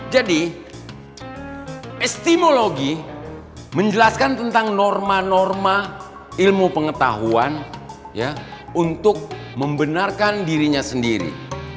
jadi estimologi menjelaskan tentang norma norma ilmu pengetahuan untuk membenarkan dirinya sendiri